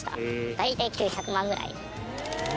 大体９００万ぐらい。